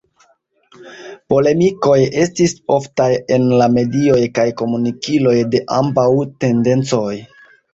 Polemikoj estis oftaj en la medioj kaj komunikiloj de ambaŭ tendencoj.